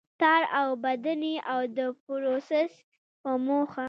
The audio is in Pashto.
تار اوبدنې او د پروسس په موخه.